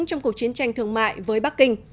trong cuộc chiến tranh thương mại với bắc kinh